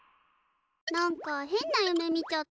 なんかへんな夢見ちゃった。